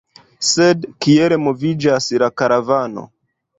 Sed kiel moviĝas la karavano?